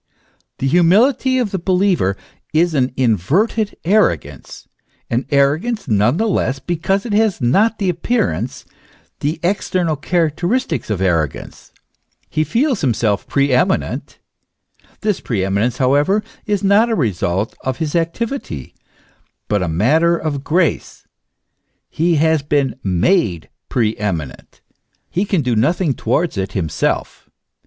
The humility of the believer is an inverted arrogance, an arrogance none the less because it has not the appearance, the external characteristics of arrogance. He feels himself pre eminent : this pre eminence, however, is not a result of his activity, but a matter of grace ; he has been made pre eminent ; he can do nothing towards it himself.